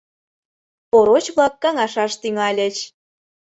Ороч-влак каҥашаш тӱҥальыч.